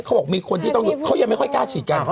เขาบอกมีคนที่ต้องเขายังไม่ค่อยกล้าฉีดกัน